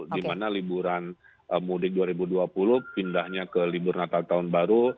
di mana liburan mudik dua ribu dua puluh pindahnya ke libur natal tahun baru